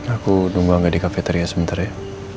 aku nunggu anggar di kafetaria sebentar ya